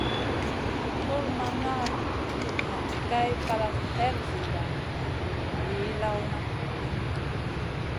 Nul ma nʼga nʼa Kay kalaf her ziida vii lawna.